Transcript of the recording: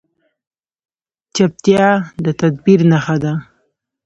چپتیا، د تدبیر نښه ده.